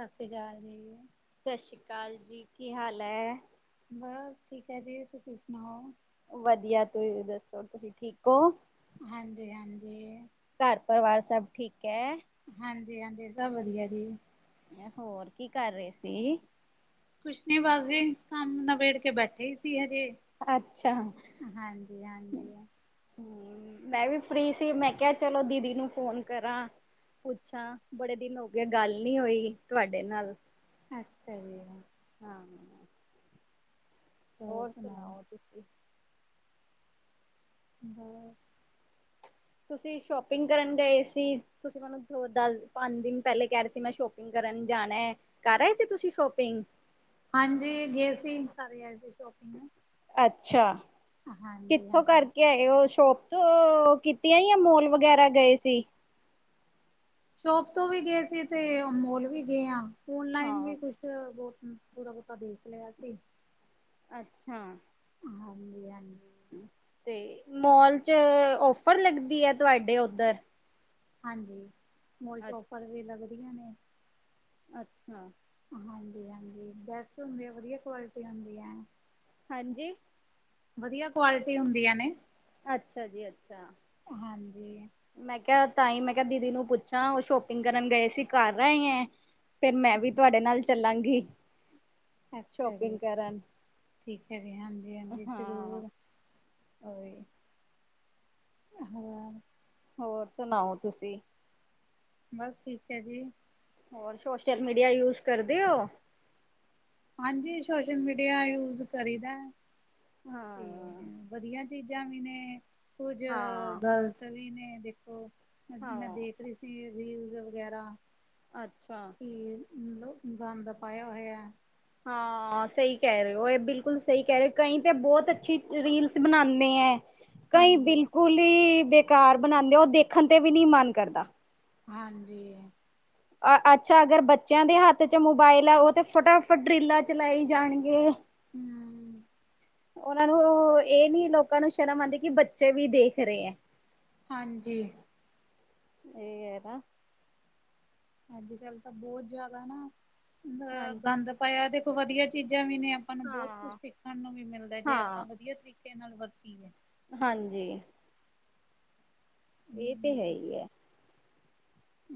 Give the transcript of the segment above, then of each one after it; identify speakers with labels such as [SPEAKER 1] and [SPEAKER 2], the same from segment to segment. [SPEAKER 1] ਸਤਿ ਸ੍ਰੀ ਅਕਾਲ ਜੀ
[SPEAKER 2] ਸਤਿ ਸ੍ਰੀ ਅਕਾਲ ਜੀ, ਕੀ ਹਾਲ ਹੈ?
[SPEAKER 1] ਬਸ ਠੀਕ ਹੈ ਜੀ, ਤੁਸੀਂ ਸੁਣਾਓ?
[SPEAKER 2] ਵਧੀਆ, ਤੁਸੀ ਦੱਸੋ ਤੁਸੀਂ ਠੀਕ ਹੋ?
[SPEAKER 1] ਹਾਂਜੀ- ਹਾਂਜੀ
[SPEAKER 2] ਘਰ ਪਰਿਵਾਰ ਸਭ ਠੀਕ ਹੈ
[SPEAKER 1] ਹਾਂਜੀ- ਹਾਂਜੀ ਸਭ ਵਧੀਆ ਜੀ।
[SPEAKER 2] ਹੋਰ ਕੀ ਕਰ ਰਹੇ ਸੀ?
[SPEAKER 1] ਕੁਛ ਨੀ ਬਸ ਜੀ, ਕੰਮ ਨਬੇੜ ਕੇ ਬੈਠੇ ਹੀ ਸੀ ਹਜੇ।
[SPEAKER 2] ਅੱਛਾ ਹੂੰ
[SPEAKER 1] ਹਾਂਜੀ ਹਾਂਜੀ
[SPEAKER 2] ਮੈਂ ਵੀ ਫਰੀ ਸੀ ਮੈਂ ਕਿਆ ਚਲੋ ਦੀਦੀ ਨੂੰ ਫੋਨ ਕਰਾਂ। ਪੁੱਛਾਂ ਬੜੇ ਦਿਨ ਹੋਗੇ ਗੱਲ ਨੀ ਹੋਈ ਤੁਹਾਡੇ ਨਾਲ
[SPEAKER 1] ਅੱਛਾ ਜੀ।
[SPEAKER 2] ਹਾਂ ਹੋਰ ਸੁਣਾਓ ਤੁਸੀਂ
[SPEAKER 1] ਹੋਰ
[SPEAKER 2] ਤੁਸੀਂ ਸ਼ੋਪਿੰਗ ਕਰਨ ਗਏ ਸੀ ਤੁਸੀਂ ਮੈਨ ਦੋ ਦਸ ਪੰਜ ਦਿਨ ਪੈਲੇ ਕਹਿ ਰਏ ਸੀ ਮੈਂ ਸ਼ੋਪਿੰਗ ਕਰਨ ਜਾਣਾ ਹੈ ਕਰ ਰਏ ਸੀ ਤੁਸੀਂ ਸ਼ੋਪਿੰਗ
[SPEAKER 1] ਹਾਂਜੀ ਗਏ ਸੀ ਕਰ ਆਏ ਸੀ ਸ਼ੋਪਿੰਗ
[SPEAKER 2] ਅੱਛਾ
[SPEAKER 1] ਹਾਂਜੀ
[SPEAKER 2] ਕਿੱਥੋਂ
[SPEAKER 1] ਹਾਂਜੀ
[SPEAKER 2] ਕਰਕੇ ਆਏ ਓ ਸ਼ੋਪ ਓ ਕੀਤੀਆਂ ਹੀ ਆ ਮੋਲ ਵਗੈਰਾ ਗਏ ਸੀ।
[SPEAKER 1] ਸ਼ੋਪ ਤੋਂ ਵੀ ਗਏ ਸੀ ਤੇ ਮੋਲ ਵੀ ਗਏ ਆਂ ਔਨਲਾਈਨ ਵੀ
[SPEAKER 2] ਹਾਂ
[SPEAKER 1] ਕੁਛ [unintelligible] ਬੋਤ ਥੋੜਾ ਬੋਤਾ ਦੇੇਖ ਲਿਆ ਸੀ।
[SPEAKER 2] ਅੱਛਾ
[SPEAKER 1] ਹਾਂਜੀ-ਹਾਂਜੀ
[SPEAKER 2] ਤੇ ਮੋਲ 'ਚ ਔਫਰ ਲੱਗਦੀ ਐ ਤੁਹਾਡੇ ਉੱਧਰ
[SPEAKER 1] ਹਾਂਜੀ ਮੋਲ 'ਚ
[SPEAKER 2] ਅੱ
[SPEAKER 1] ਔਫਰ ਵੀ ਲੱਗਦੀਆਂ ਨੇ।
[SPEAKER 2] ਅੱਛਾ
[SPEAKER 1] ਹਾਂਜੀ- ਹਾਂਜੀ ਬੈਸਟ ਹੁੰਦੇ ਆ ਵਧੀਆ ਕੁਆਲਿਟੀ ਹੁੰਦੀ ਹੈ।
[SPEAKER 2] ਹਾਂਜੀ
[SPEAKER 1] ਵਧੀਆ ਕੁਆਲਿਟੀ ਹੁੰਦੀਆਂ ਨੇ।
[SPEAKER 2] ਅੱਛਾ ਜੀ ਅੱਛਾ
[SPEAKER 1] ਹਾਂਜੀ
[SPEAKER 2] ਮੈਂ ਕਿਆ ਤਾਂਹੀ ਮੈਂ ਕਿਆ ਦੀਦੀ ਨੂੰ ਪੁੱਛਾਂ ਉਹ ਸ਼ੋਪਿੰਗ ਕਰਨ ਗਏ ਸੀ ਕਰ ਰਏ ਐਂ। ਫਿਰ ਮੈਂ ਵੀ ਤੁਹਾਡੇ ਨਾਲ ਚੱਲਾਂਗੀ।
[SPEAKER 1] ਅੱਛਾ ਜੀ
[SPEAKER 2] ਸ਼ੋਪਿੰਗ ਕਰਨ
[SPEAKER 1] ਠੀਕ ਹੈ ਜੀ ਹਾਂਜੀ-ਹਾਂਜੀ
[SPEAKER 2] ਹਾਂ।
[SPEAKER 1] ਜ਼ਰੂਰ
[SPEAKER 2] ਉਹੀ।
[SPEAKER 1] [inaudible]
[SPEAKER 2] ਹੋਰ ਸੁਣਾਓ ਤੁਸੀਂ
[SPEAKER 1] ਬਸ ਠੀਕ ਐ ਜੀ।
[SPEAKER 2] ਹੋਰ ਸੋਸ਼ਲ ਮੀਡੀਆ ਯੂਜ ਕਰਦੇ ਓ।
[SPEAKER 1] ਹਾਂਜੀ ਸੋਸ਼ਲ ਮੀਡੀਆ ਯੂਜ ਕਰੀਦਾ ਤੇ
[SPEAKER 2] ਹਾਂ।
[SPEAKER 1] ਵਧੀਆ ਚੀਜ਼ਾਂ ਵੀ ਨੇ ਕੁਝ
[SPEAKER 2] ਹਾਂ
[SPEAKER 1] ਗਲਤ ਵੀ ਨੇ ਦੇਖੋ। ਮੈਂ
[SPEAKER 2] ਹਾਂ
[SPEAKER 1] ਦੇਖ ਰਹੀ ਸੀ ਰੀਲ ਵਗੈਰਾ
[SPEAKER 2] ਅੱਛਾ
[SPEAKER 1] ਕਿ ਮਤਲਬ ਗੰਦ ਪਾਇਆ ਹੋਇਆ।
[SPEAKER 2] ਹਾਂ ਸਹੀ ਕਹਿ ਰਏ ਹੋ ਇਹ ਬਿਲਕੁਲ ਸਹੀ ਕਹਿ ਰਏ ਹੋ ਕਈ ਤਾਂ ਬਹੁਤ ਅੱਛੀ ਰੀਲਸ ਬਣਾਣੇ ਐਂ। ਕਈ ਬਿਲਕੁਲ ਹੀ ਬੇਕਾਰ ਬਣਾਣੇ ਓ ਦੇਖਣ ਤੇ ਵੀ ਨਹੀ ਮਨ ਕਰਦਾ।
[SPEAKER 1] ਹਾਂਜੀ
[SPEAKER 2] ਅ ਅੱਛਾ ਅਗਰ ਬੱਚਿਆਂ ਦੇ ਹੱਥ 'ਚ ਮੋਬਾਇਲ ਆ ਉਹ ਤੇ ਫਟਾਫਟ ਰੀਲਾਂ ਚਲਾਈ ਜਾਣਗੇ।
[SPEAKER 1] ਹੂੰ
[SPEAKER 2] ਉਹਨਾਂ ਨੂੰ ਇਹ ਨੀ ਲੋਕਾਂ ਨੂੰ ਸ਼ਰਮ ਆਂਦੀ ਕਿ ਬੱਚੇ ਵੀ ਦੇਖ ਰਏ ਐ।
[SPEAKER 1] ਹਾਂਜੀ
[SPEAKER 2] ਸਹੀ ਏ ਨਾ।
[SPEAKER 1] ਅੱਜ ਕੱਲ ਤਾਂ ਬਹੁਤ ਜਾਦਾ ਨਾ ਬ
[SPEAKER 2] ਹਾਂ
[SPEAKER 1] ਗੰਦ ਪਾਇਆ ਦੇਖੋ ਵਧੀਆ ਚੀਜ਼ਾਂ ਵੀ ਨੇ। ਆਪਾਂ ਨੂੰ ਬਹੁਤ ਕੁਝ
[SPEAKER 2] ਹਾਂ
[SPEAKER 1] ਸਿੱਖਣ ਨੂੰ ਵੀ ਮਿਲਦਾ ਹੈ ਜੇ
[SPEAKER 2] ਹਾਂ
[SPEAKER 1] ਆਪਾਂ ਵਧੀਆ ਤਰੀਕੇ ਨਾਲ ਵਰਤੀਏ
[SPEAKER 2] ਹਾਂਜੀ ਇਹ ਤੇ ਹੈ ਹੀ ਹੈ।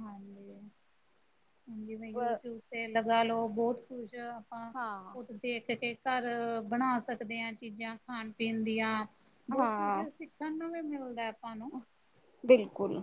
[SPEAKER 1] ਹਾਂਜੀ ਹਾਂਜੀ ਜਿਵੇਂ ਯੂਟਿਊਬ ਤੇ ਲਗਾ ਲਓ ਬਹੁਤ ਕੁਛ, ਆਪਾਂ
[SPEAKER 2] ਹਾਂ
[SPEAKER 1] ਉਹ ਤੋਂ ਦੇਖ ਕੇ ਘਰ ਬਣਾ ਸਕਦੇ ਹਾਂ ਚੀਜ਼ਾਂ ਖਾਣ ਪੀਣ ਦੀਆਂ ਬਹੁਤ ਕੁਛ
[SPEAKER 2] ਹਾਂ
[SPEAKER 1] ਸਿੱਖਣ ਨੂੰ ਵੀ ਮਿਲਦਾ ਆਪਾਂ ਨੂੰ
[SPEAKER 2] ਬਿਲਕੁਲ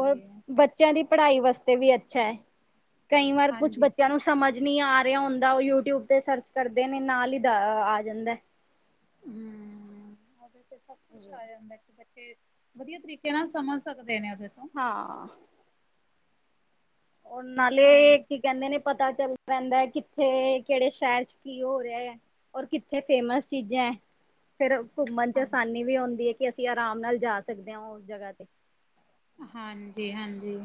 [SPEAKER 2] ਔਰ ਬ ਬੱਚਿਆਂ ਦੀ ਪੜ੍ਹਾਈ ਵਾਸਤੇ ਵੀ ਅੱਛਾ ਹੈ, ਕਈ ਵਾਰ ਕੁਛ
[SPEAKER 1] ਹਾਂਜੀ
[SPEAKER 2] ਬੱਚਿਆਂ ਨੂੰ ਸਮਝ ਨਹੀਂ ਆ ਰਿਹਾ ਹੁੰਦਾ, ਉਹ ਯੂਟਿਊਬ ਤੇ ਸਰਚ ਕਰਦੇ ਨੇ ਨਾਲ ਹੀ ਦਾ ਆ ਜਾਂਦਾ
[SPEAKER 1] ਹਮ ਉਹਦੇ ਤੇ ਸਭ ਕੁਛ ਆ ਜਾਂਦਾ ਕਿ ਬੱਚੇ ਵਧੀਆ ਤਰੀਕੇ ਨਾਲ ਸਮਝ ਸਕਦੇ ਨੇ ਉਹਦੇ ਤੋਂ
[SPEAKER 2] ਹਾਂ ਉਹ ਨਾਲੇ
[SPEAKER 1] ਹਾਂਜੀ
[SPEAKER 2] ਕਿ ਕਹਿੰਦੇ ਨੇ ਪਤਾ ਚੱਲ ਰਹਿੰਦਾ ਹੈ, ਕਿੱਥੇ, ਕਿਹੜੇ ਸ਼ਹਿਰ ਚ ਕੀ ਹੋ ਰਿਹਾ ਹੈ। ਔਰ ਕਿੱਥੇ ਫੇਮਸ ਚੀਜ਼ਾਂ ਫਿਰ ਘੁੰਮਣ ਚ
[SPEAKER 1] ਹਾਂਜੀ
[SPEAKER 2] ਆਸਾਨੀ ਵੀ ਆਉਂਦੀ ਹੈ ਕਿ ਅਸੀਂ ਆਰਾਮ ਨਾਲ ਜਾ ਸਕਦੇ ਹਾਂ ਉਸ ਜਗ੍ਹਾ ਤੇ,
[SPEAKER 1] ਹਾਂਜੀ ਹਾਂਜੀ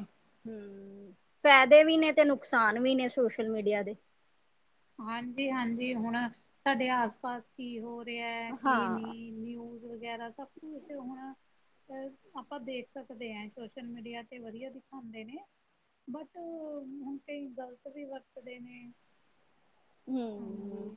[SPEAKER 2] ਹਮ ਫਾਇਦੇ ਵੀ ਨੇ ਤੇ ਨੁਕਸਾਨ ਵੀ ਨੇ ਸੋਸ਼ਲ ਮੀਡੀਆ ਦੇ
[SPEAKER 1] ਹਾਂਜੀ, ਹਾਂਜੀ, ਹੁਣ ਸਾਡੇ ਆਸ ਪਾਸ ਕੀ ਹੋ ਰਿਹਾ ਹੈ, ਕੀ
[SPEAKER 2] ਹਾਂ
[SPEAKER 1] ਨਹੀਂ ਨਿਊਜ਼ ਵਗੈਰਾ ਸਭ ਕੁਛ ਹੁਣ ਆਪਾਂ ਦੇਖ ਸਕਦੇ ਹਾਂ ਸੋਸ਼ਲ ਮੀਡੀਆ ਤੇ ਵਧੀਆ ਦਿਖਾਉਣ ਦੇ ਨੇ, ਬਟ ਹੁਣ ਕਈ ਗ਼ਲਤ ਵੀ ਵਰਤਦੇ ਨੇ
[SPEAKER 2] ਹਮ
[SPEAKER 1] ਹਾਂਜੀ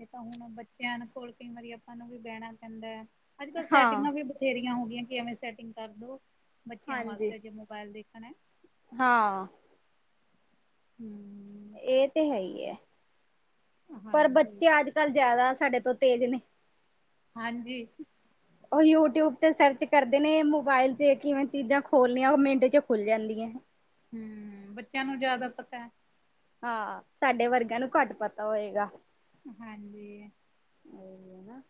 [SPEAKER 1] ਇਹ ਤਾਂ ਹੁਣ ਬੱਚਿਆਂ ਕੋਲ ਕਈ ਵਾਰੀ ਆਪਾਂ ਨੂੰ ਵੀ ਬਹਿਣਾ ਪੈਂਦਾ ਹੈ ਅੱਜ ਕੱਲ
[SPEAKER 2] ਹਾਂ
[SPEAKER 1] ਸੈਟਿੰਗਾਂ ਵੀ ਬਥੇਰੀਆਂ ਹੋ ਗਈਆਂ ਕਿਵੇਂ ਸੈਟਿੰਗ ਕਰਦੋ ਬੱਚਿਆਂ
[SPEAKER 2] ਹਾਂਜੀ
[SPEAKER 1] ਵਾਸਤੇੇ ਜੇ ਮੋਬਾਇਲ ਦੇਖਣਾ ਹੈ।
[SPEAKER 2] ਹਾਂ
[SPEAKER 1] ਹੂੰ
[SPEAKER 2] ਇਹ ਤੇ ਹੈ ਹੀ ਹੈ, ਪਰ
[SPEAKER 1] ਹਾਂਜੀ।
[SPEAKER 2] ਬੱਚੇ ਅੱਜ ਕੱਲ ਜ਼ਿਆਦਾ ਸਾਡੇ ਤੋਂ ਤੇਜ਼ ਨੇ
[SPEAKER 1] ਹਾਂਜੀ
[SPEAKER 2] ਉਹ ਯੂਟਿਊਬ ਤੇ ਸਰਚ ਕਰਦੇ ਨੇ, ਮੋਬਾਇਲ ਚ ਕਿਵੇਂ ਚੀਜ਼ਾਂ ਖੋਲਣੀਆਂ, ਉਹ ਮਿੰਟ ਚ ਖੁੱਲ ਜਾਂਦੀਆਂ
[SPEAKER 1] ਹਮ ਬੱਚਿਆਂ ਨੂੰ ਜਿਆਦਾ ਪਤਾ
[SPEAKER 2] ਹਾਂ, ਸਾਡੇ ਵਰਗਿਆਂ ਨੂੰ ਘੱਟ ਪਤਾ ਹੋਏਗਾ
[SPEAKER 1] ਹਾਂਜੀ
[SPEAKER 2] ਇਹ ਹੈ ਨਾ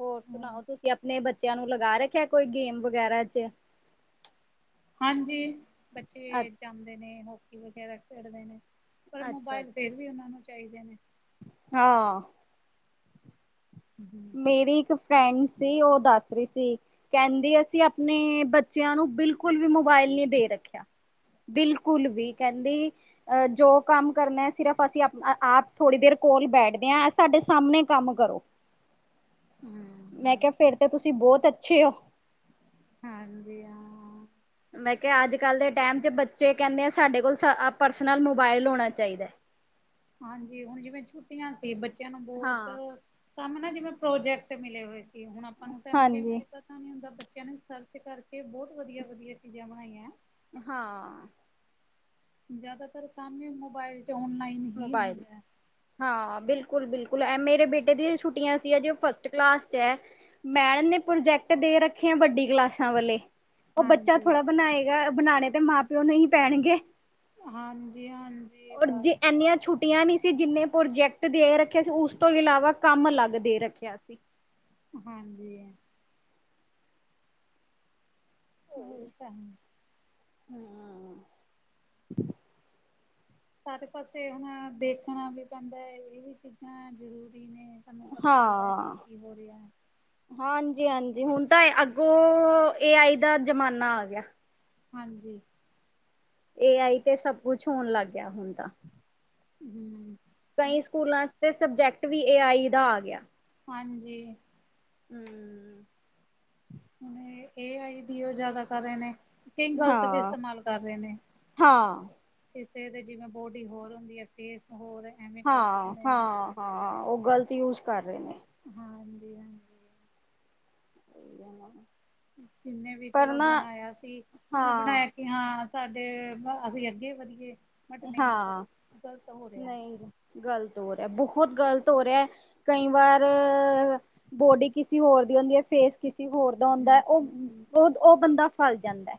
[SPEAKER 2] ਹੋਰ
[SPEAKER 1] ਹੂੰ
[SPEAKER 2] ਸੁਣਾਓ, ਤੁਸੀਂ ਆਪਣੇ ਬੱਚਿਆਂ ਨੂੰ ਲਗਾ ਰੱਖਿਆ ਕੋਈ ਗੇਮ ਵਗੈਰਾ ਚ'
[SPEAKER 1] ਹਾਂਜੀ, ਬੱਚੇ ਜਾਂਦੇ ਨੇ ਹੋਕੀ ਵਗੈਰਾ ਖੇਡਦੇ ਨੇ ਪਰ
[SPEAKER 2] ਅੱਛਾ
[SPEAKER 1] ਮੋਬਾਇਲ ਫੇਰ ਵੀ ਉਹਨਾ ਨੂੰ ਚਾਹੀਦੇ ਨੇ,
[SPEAKER 2] ਹਾਂ
[SPEAKER 1] ਹਮ
[SPEAKER 2] ਮੇਰੀ ਇੱਕ ਫਰੈਂਡ ਸੀ, ਉਹ ਦੱਸ ਰਹੀ ਸੀ, ਕਹਿੰਦੀ ਅਸੀਂ ਆਪਣੇ ਬੱਚਿਆਂ ਨੂੰ ਬਿਲਕੁਲ ਵੀ ਮੋਬਾਇਲ ਨੀ ਦੇ ਰੱਖਿਆ ਬਿਲਕੁਲ ਵੀ ਕਹਿੰਦੀ ਅ ਜੋ ਕੰਮ ਕਰਨਾ ਸਿਰਫ਼ ਅਸੀਂ ਆਪ ਥੋੜ੍ਹੀ ਦੇਰ ਕੋਲ ਬੈਠਦੇ ਹਾਂ। ਸਾਡੇ ਸਾਹਮਣੇ ਕੰਮ ਕਰੋ।
[SPEAKER 1] ਹੂੰ
[SPEAKER 2] ਮੈਂ ਕਿਹਾ ਫੇਰ ਤਾਂ ਤੁਸੀਂ ਬਹੁਤ ਅੱਛੇ ਹੋ
[SPEAKER 1] ਹਾਂਜੀ ਹਾਂ।
[SPEAKER 2] ਮੈਂ ਕਿਹਾ ਅੱਜ- ਕੱਲ ਦੇ ਟਾਈਮ 'ਚ ਬੱਚੇ ਕਹਿੰਦੇ ਆ ਸਾਡੇ ਕੋਲ ਪਰਸਨਲ ਮੋਬਾਇਲ ਹੋਣਾ ਚਾਹੀਦਾ ਹੈ।
[SPEAKER 1] ਹਾਂਜੀ, ਹੁਣ ਜਿਵੇਂ ਛੁੱਟੀਆਂ ਸੀ ਬੱਚਿਆਂ ਨੂੰ ਬਹੁਤ।
[SPEAKER 2] ਹਾਂ
[SPEAKER 1] ਕੰਮ ਨਾ ਜਿਵੇਂ ਪ੍ਰੋਜੈਕਟ ਮਿਲੇ ਹੋਏ ਸੀ ਹੁਣ ਆਪਾਂ ਨੂੰ ਤਾਂ
[SPEAKER 2] ਹਾਂਜੀ
[SPEAKER 1] [unintelligible] ਪਤਾ ਨੀ ਹੁੰਦਾ ਬੱਚਿਆਂ ਨੇ ਸਰਚ ਕਰਕੇ ਬਹੁਤ ਵਧੀਆ- ਵਧੀਆ ਚੀਜ਼ਾਂ ਬਣਾਈਆਂ।
[SPEAKER 2] ਹਾਂ।
[SPEAKER 1] ਜ਼ਿਆਦਾਤਰ ਕੰਮ ਵੀ ਮੋਬਾਇਲ 'ਚ ਔਨਲਾਈਨ। ਹੀ
[SPEAKER 2] ਮੋਬਾਇਲ।
[SPEAKER 1] ਹੁੰਦਾ ਹੈ
[SPEAKER 2] ਹਾਂ ਬਿਲਕੁਲ- ਬਿਲਕੁਲ ਐ ਮੇਰੇ ਬੇਟੇ ਦੀਆਂ ਵੀ ਛੁੱਟੀਆਂ ਸੀ, ਹਜੇ ਉਹ ਫਸਟ ਕਲਾਸ 'ਚ ਹੈ। ਮੈਡਮ ਨੇ ਪ੍ਰੋਜੈਕਟ ਦੇ ਰੱਖੇ ਆ ਵੱਡੀ ਕਲਾਸਾਂ ਵਾਲੇ। ਉਹ ਬੱਚਾ
[SPEAKER 1] ਹਾਂਜੀ।
[SPEAKER 2] ਥੋੜ੍ਹਾ ਬਣਾਏਗਾ, ਬਣਾਉਣੇ ਤਾਂ ਮਾਂ- ਪਿਓ ਨੂੰ ਹੀ ਪੈਣਗੇ।
[SPEAKER 1] ਹਾਂਜੀ, ਹਾਂਜੀ
[SPEAKER 2] ਔਰ ਜੇ
[SPEAKER 1] ਬਸ।
[SPEAKER 2] ਇੰਨੀਆਂ ਛੁੱਟੀਆਂ ਨੀ ਸੀ। ਜਿੰਨੇ ਪ੍ਰੋਜੈਕਟ ਦੇ ਰੱਖੇ ਸੀ। ਉਸ ਤੋਂ ਇਲਾਵਾ ਕੰਮ ਅਲੱਗ ਦੇ ਰੱਖਿਆ ਸੀ।
[SPEAKER 1] ਹਾਂਜੀ। ਇਹ ਤਾਂ ਹੈ।
[SPEAKER 2] ਹੁੰ।
[SPEAKER 1] ਸਾਰੇ ਪਾਸੇ ਹੁਣ ਦੇਖਣਾ ਵੀ ਪੈਂਦਾ ਹੈ। ਇਹ ਵੀ ਚੀਜ਼ਾਂ ਜ਼ਰੂਰੀ ਨੇ। ਸਾਨੂੰ ਪਤਾ ਕੀ-
[SPEAKER 2] ਹਾਂ
[SPEAKER 1] ਕੀ ਹੋ ਰਿਹਾ ਹੈ।
[SPEAKER 2] ਹਾਂਜੀ -ਹਾਂਜੀ ਹੁਣ ਤਾਂ ਇਹ ਅੱਗੋਂ, ਏ ਆਈ ਦਾ ਜ਼ਮਾਨਾ ਆ ਗਿਆ।
[SPEAKER 1] ਹਾਂਜੀ।
[SPEAKER 2] ਏ ਆਈ ਤੇ ਸਭ ਕੁਛ ਹੋਣ ਲੱਗ ਗਿਆ ਹੁਣ ਤਾਂ।
[SPEAKER 1] ਹੂੰ।
[SPEAKER 2] ਕਈ
[SPEAKER 1] ਹੁਣੇ
[SPEAKER 2] ਸਕੂਲਾਂ 'ਚ ਤੇ ਸਬਜੈਕਟ ਵੀ ਏ ਆਈ ਦਾ ਆ ਗਿਆ।
[SPEAKER 1] ਹਾਂਜੀ।
[SPEAKER 2] ਹੂੰ।
[SPEAKER 1] ਹੁਣ ਇਹ ਏ ਆਈ ਦੀਓ ਜਿਆਦਾ ਕਰ ਰਹੇ ਨੇ। ਕਈ ਗਲਤ ਵੀ
[SPEAKER 2] ਹਾਂ
[SPEAKER 1] ਇਸਤੇਮਾਲ ਕਰ ਰਹੇ ਨੇ।
[SPEAKER 2] ਹਾਂ
[SPEAKER 1] ਕਿਸੇ ਦੇ ਜਿਵੇਂ ਬੋਡੀ ਹੋਰ ਹੁੰਦੀ ਹੈ, ਫੇਸ ਹੋਰ ਹੈ।
[SPEAKER 2] ਹਾਂ -ਹਾਂ -ਹਾਂ ਉਹ ਗ਼ਲਤ ਯੂਜ ਕਰ ਰਹੇ ਨੇ।
[SPEAKER 1] ਹਾਂਜੀ- ਹਾਂਜੀ।
[SPEAKER 2] ਇਹਨਾਂ।
[SPEAKER 1] ਜਿੰਨੇ ਵੀ ਚਲੋ ਬਣਾਇਆ ਸੀ, ਉਹਨੇ
[SPEAKER 2] ਹਾਂ
[SPEAKER 1] ਬਣਾਇਆ। ਕਿ ਹਾਂ ਸਾਡੇ ਅਸੀਂ ਅੱਗੇ ਵਧੀਏ, ਬਟ ਨਹੀਂ
[SPEAKER 2] ਹਾਂ
[SPEAKER 1] ਗ਼ਲਤ ਹੋ ਰਿਹਾ ਹੈ।
[SPEAKER 2] ਨਹੀਂ ਗ਼ਲਤ ਹੋ ਰਿਹਾ, ਬਹੁਤ ਗ਼ਲਤ ਹੋ ਰਿਹਾ ਹੈ, ਕਈ ਵਾਰ ਬੋਡੀ ਕਿਸੇ ਹੋਰ ਦੀ ਹੁੰਦੀ ਹੈ ਫੇਸ। ਕਿਸੇ ਹੋਰ ਦਾ ਹੁੰਦਾ,
[SPEAKER 1] ਹਮ
[SPEAKER 2] ਉਹ,
[SPEAKER 1] ਹਮ ਹਮ
[SPEAKER 2] ਉਹ ਬੰਦਾ ਫਸ ਜਾਂਦਾ ਹੈ।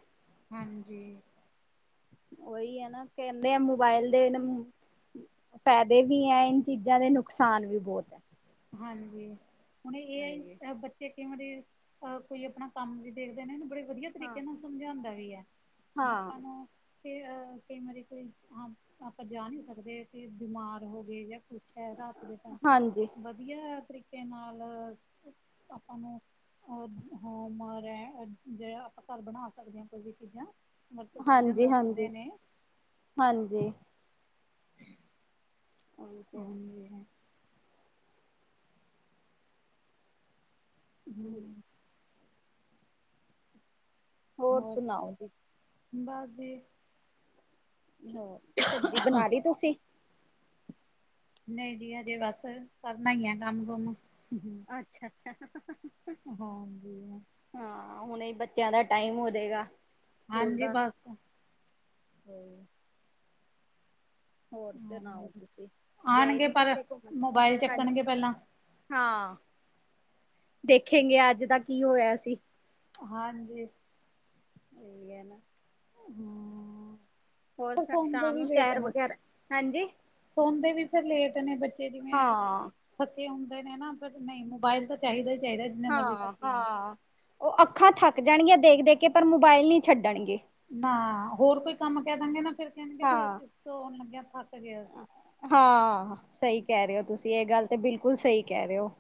[SPEAKER 1] ਹਾਂਜੀ।
[SPEAKER 2] ਉਹੀ ਹੈ ਨਾ, ਕਹਿੰਦੇ ਆ ਮੋਬਾਇਲ ਦੇ। ਫਾਇਦੇ ਵੀ ਹੈ। ਇਹਨਾਂ ਚੀਜ਼ਾਂ ਦੇ ਨੁਕਸਾਨ ਵੀ ਬਹੁਤ ਹੈ।
[SPEAKER 1] ਹਾਂਜੀ, ਹੁਣ ਏ
[SPEAKER 2] ਆਏ
[SPEAKER 1] ਆਈ ਬੱਚੇ। ਕਿਵੇ ਦੇ ਅ, ਕੋਈ ਆਪਣਾ ਕੰਮ ਵੀ ਦੇਖਦੇ ਨਾ ਇਹਨੂੰ ਬੜੇ ਵਧੀਆ
[SPEAKER 2] ਹਾਂ
[SPEAKER 1] ਤਰੀਕੇ ਨਾਲ ਸਮਝਾਉਂਦਾ ਵੀ ਹੈ। ਹੁਣ
[SPEAKER 2] ਹਾਂ
[SPEAKER 1] ਆਪਾਂ ਨੂੰ ਅ ਕਈ ਵਾਰੀ ਕੋਈ ਆਪ। ਆਪਾਂ ਜਾ ਨਹੀਂ ਸਕਦੇ ਕਿ ਬਿਮਾਰ ਹੋ ਗਏ ਜਾਂ ਕੁੱਛ ਹੈ, ਰਾਤ ਦੇ ਟਾਈਮ।
[SPEAKER 2] ਹਾਂਜੀ।
[SPEAKER 1] ਵਧੀਆ ਤਰੀਕੇ ਨਾਲ, ਆਪਾਂ ਨੂੰ। ਔਰ [unintelligible] ਆਪਾਂ ਘਰ ਬਣਾ ਸਕਦੇ ਹਾਂ ਕੋਈ ਵੀ ਚੀਜ਼ਾਂ। ਵਰਤ ਸਕਦੇ ਹਾਂ
[SPEAKER 2] ਹਾਂਜੀ ਹਾਂਜੀ
[SPEAKER 1] ਦੱਸਦੇ ਨੇ
[SPEAKER 2] ਹਾਂਜੀ। ਉਹੀ ਤੇ
[SPEAKER 1] ਹਾਂਜੀ। ਹੂੰ
[SPEAKER 2] ਹੋਰ ਸੁਣਾਓ ਜੀ।
[SPEAKER 1] ਬਸ ਜੀ।
[SPEAKER 2] ਹੋ ਸਬਜੀ ਬਣਾ ਲਈ ਤੁਸੀਂ।
[SPEAKER 1] ਨਹੀਂ ਜੀ ਹਜੇ ਬਸ ਕਰਨਾ ਈ ਆ ਕੰਮ ਕੁਮ।
[SPEAKER 2] ਅੱਛਾ - ਅੱਛਾ।
[SPEAKER 1] ਹਾਂਜੀ।
[SPEAKER 2] ਹਾਂ ਹੁਣੇ ਬੱਚਿਆਂ ਦਾ ਟਾਈਮ ਹੋ, ਜਾਵੇਗਾ ਸਕੂਲ
[SPEAKER 1] ਹਾਂਜੀ
[SPEAKER 2] ਦਾ।
[SPEAKER 1] ਬਸ
[SPEAKER 2] ਹੂੰ ਹੋਰ ਸੁਣਾਓ
[SPEAKER 1] ਹਾਂਜੀ
[SPEAKER 2] ਤੁਸੀਂ ਗਏ
[SPEAKER 1] ਆਣਗੇ
[SPEAKER 2] ਨੀ
[SPEAKER 1] ਪਰ
[SPEAKER 2] ਕਿੱਥੇ ਘੁੰਮਣ
[SPEAKER 1] ਮੋਬਾਇਲ
[SPEAKER 2] ਹ।
[SPEAKER 1] ਚੱਕਣਗੇ ਪਹਿਲਾਂ
[SPEAKER 2] ਹਾਂ ਦੇਖੇਗੇ ਅੱਜ ਦਾ ਕੀ ਹੋਇਆ ਸੀ‌।
[SPEAKER 1] ਹਾਂਜੀ।
[SPEAKER 2] ਇਹ ਹੈ ਨੇ।
[SPEAKER 1] ਹੂੰ
[SPEAKER 2] ਹੋਰ ਸ਼ਾਮ ਨੂੰ ਸੈਰ ਵਗੈਰਾ ਹਾਂਜੀ‌।
[SPEAKER 1] ਸੋਨਦੇ ਵੀ ਫਿਰ ਲੇਟ ਨੇ ਬੱਚੇ, ਜਿਵੇਂ
[SPEAKER 2] ਹਾਂ
[SPEAKER 1] ਥੱਕੇ ਹੁੰਦੇ ਨੇ ਨਾ ਫਿਰ ਨਹੀਂ ਮੋਬਾਇਲ। ਚਾਹੀਦਾ ਹੀ ਚਾਹੀਦਾ, ਜਿੰਨਾ ਮਰਜ਼ੀ
[SPEAKER 2] ਹਾਂ
[SPEAKER 1] ਥੱਕੇ ਹੋ।
[SPEAKER 2] ਹਾਂ ਉਹ ਅੱਖਾਂ ਥੱਕ ਜਾਣਗੀਆਂ, ਦੇਖ ਦੇਖ ਕੇ ਪਰ ਮੋਬਾਇਲ ਨਹੀਂ ਛੱਡਣਗੇ।
[SPEAKER 1] ਨਾ ਹੋਰ ਕੋਈ ਕੰਮ ਕਹਿ ਦਾਂਗੇ ਨਾ ਫਿਰ ਕਹਿਣਗੇ, ਫਿਰ
[SPEAKER 2] ਹਾਂ
[SPEAKER 1] ਅਸੀਂ ਆਉਣ ਲੱਗਿਆ ਥੱਕ ਗਿਆ ਸੀ।
[SPEAKER 2] ਹਾਂ ਸਹੀ ਕਹਿ ਰਹੇ ਹੋ, ਤੁਸੀਂ ਇਹ ਗੱਲ ਤੇ ਬਿਲਕੁਲ ਸਹੀ ਕਹਿ ਰਹੇ ਹੋ।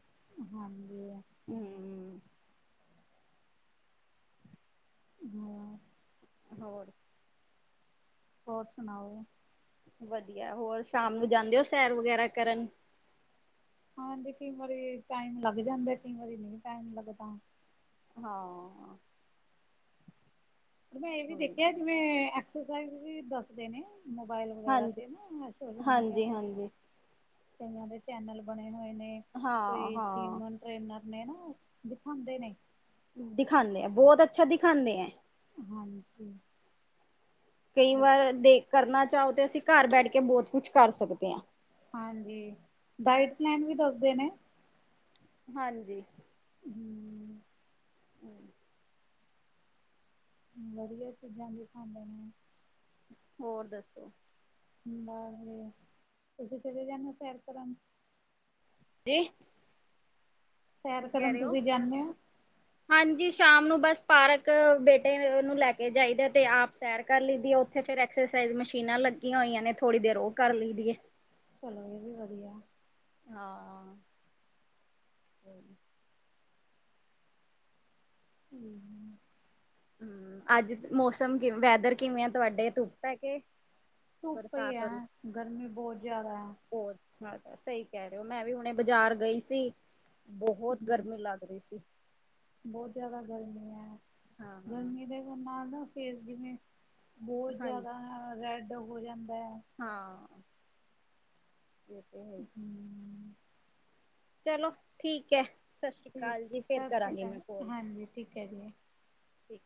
[SPEAKER 1] ਹਾਂਜੀ।
[SPEAKER 2] ਹਮ
[SPEAKER 1] ਹਾਂ।
[SPEAKER 2] ਹੋ।
[SPEAKER 1] ਹੋਰ ਸੁਣਾਓ।
[SPEAKER 2] ਵਧੀਆ ਹੋਰ ਸ਼ਾਮ ਨੂੰ ਜਾਂਦੇ ਹੋ, ਸੈਰ ਵਗੈਰਾ ਕਰਨ।
[SPEAKER 1] ਹਾਂਜੀ ਕਈ ਵਾਰੀ ਟਾਈਮ ਲੱਗ ਜਾਂਦਾ, ਕਈ ਵਾਰੀ ਨਹੀਂ ਟਾਈਮ ਲੱਗਦਾ।
[SPEAKER 2] ਹਾਂ।
[SPEAKER 1] ਮੈਂ ਇਹ ਵੀ
[SPEAKER 2] ਹਾਂਜੀ
[SPEAKER 1] ਦੇਖਿਆ, ਜਿਵੇਂ ਐਕਸ ਵੀ ਦੱਸ ਦੇ ਨੇ। ਮੋਬਾਇਲ ਵਗੈਰਾ ਤੇ ਨਾ ਸੋਸ਼ਲ ਮੀਡੀਆ
[SPEAKER 2] ਹਾਂਜੀ
[SPEAKER 1] ਤੇ।
[SPEAKER 2] ਹਾਂਜੀ
[SPEAKER 1] ਕਈਆਂ ਦੇ ਚੈਨਲ ਬਣੇ ਹੋਏ ਨੇ
[SPEAKER 2] ਹਾਂ
[SPEAKER 1] ਕੋਈ
[SPEAKER 2] ਹਾਂ
[SPEAKER 1] ਜਿਮ। ਟਰੇਨਰ ਨੇ ਨਾ ਦਿਖਾਉਂਦੇ ਨੇ।
[SPEAKER 2] ਦਿਖਾਉਂਦੇ ਆ ਬਹੁਤ ਅੱਛਾ ਦਿਖਾਉਂਦੇ ਐ।
[SPEAKER 1] ਹਾਂਜੀ।
[SPEAKER 2] ਕਈ
[SPEAKER 1] ਵਧੀਆ
[SPEAKER 2] ਵਾਰ ਦੇਖ ਕਰਨਾ ਚਾਹੋ, ਤੇ ਅਸੀਂ ਘਰ ਬੈਠ ਕੇ ਬਹੁਤ ਕੁਛ ਕਰ ਸਕਦੇ ਹਾਂ।
[SPEAKER 1] ਹਾਂਜੀ, ਡਾਇਟ ਪਲੈਨ ਵੀ ਦੱਸਦੇ ਨੇ।
[SPEAKER 2] ਹਾਂਜੀ।
[SPEAKER 1] ਹਾ।
[SPEAKER 2] ਹੂੰ
[SPEAKER 1] ਵਧੀਆ ਚੀਜ਼ਾਂ ਦੀਖਾਂਦੇ ਨੇ।
[SPEAKER 2] ਹੋਰ ਦੱਸੋ।
[SPEAKER 1] ਬਸ ਵ ਤੁਸੀਂ ਕਿਤੇ ਜਾਦੇ ਹੋ, ਸੈਰ ਕਰਨ।
[SPEAKER 2] ਜੀ।
[SPEAKER 1] ਸੈਰ
[SPEAKER 2] ਕੀ ਕਹਿ
[SPEAKER 1] ਕਰਨ
[SPEAKER 2] ਰਹੇ ਹੋ।
[SPEAKER 1] ਤੁਸੀਂ ਜਾਂਦੇ ਹੋ
[SPEAKER 2] ਹਾਂਜੀ ਸ਼ਾਮ ਨੂੰ ਬਸ ਪਾਰਕ ਬੇਟੇ ਨੂੰ ਲੈ ਕੇ ਜਾਈਦਾ ਤੇ ਆਪ। ਸੈਰ ਕਰ ਲਈ ਦੀ ਏ, ਉੱਥੇ ਫੇ ਐਕਸਰਸਾਈਜ਼ ਮਸ਼ੀਨਾਂ ਲੱਗੀਆਂ ਹੋਈਆਂ ਨੇ ਥੋੜ੍ਹੀ ਦੇਰ ਉਹ ਕਰ ਲਈ ਦੀ ਏ।
[SPEAKER 1] ਚਲੋ ਇਹ ਵੀ ਵਧੀਆ।
[SPEAKER 2] ਹਾਂ।
[SPEAKER 1] ਹੂ
[SPEAKER 2] ਅੱਜ ਮੌਸਮ ਕਿਵੇਂ ਐ ਵੈਦਰ ਕਿਵੇਂ ਆ ਤੁਹਾਡੇ ਧੁੱ ਪੈ ਕੇ।
[SPEAKER 1] ਧੁੱਪੇ ਈ ਐ,
[SPEAKER 2] ਬਰਸਾਤ?
[SPEAKER 1] ਗਰਮੀ ਬੌਤ ਜੈਦਾ ਐ।
[SPEAKER 2] ਹੋਰ ਸਹੀ ਕੈ ਰੇ ਔ, ਮੈਂ ਵੀ ਹੁਣੇ ਬਜ਼ਾਰ ਗਈ ਸੀ। ਬਹੌਤ ਗਰਮੀ ਲੱਗ ਰਈ ਸੀ।
[SPEAKER 1] ਬੌਤ ਜੈਯਾਦਾ ਗਰਮੀ ਐ,
[SPEAKER 2] ਹਾਂ ਹਾਂ
[SPEAKER 1] ਗਰਮੀ ਦੇ ਨਾਲ ਨਾ ਫੇਰ ਜਿਵੇਂ ਬੌਤ
[SPEAKER 2] ਹਾਂਜੀ
[SPEAKER 1] ਜੈਯਾਦਾ ਰੈਡ ਹੋ ਜਾਂਦਾ ਹੈ।
[SPEAKER 2] ਹਾਂ, ਏਹ ਤੇ ਹੈ ਈ।
[SPEAKER 1] ਹਮ,
[SPEAKER 2] ਚਲੋ ਠੀਕ ਐ, ਸਤਿ ਸ਼੍ਰੀ
[SPEAKER 1] ਠੀਕ
[SPEAKER 2] ਅਕਾਲ ਜੀ, ਫੇਰ
[SPEAKER 1] ਸਤਿ ਸ਼੍ਰੀ
[SPEAKER 2] ਕਰਾਂਗੀ
[SPEAKER 1] ਅਕਾਲ
[SPEAKER 2] ਮੈਂ ਕਾੱਲ।
[SPEAKER 1] ਹਾਂਜੀ ਠੀਕ ਹੈ ਜੀ।
[SPEAKER 2] ਠੀਕ।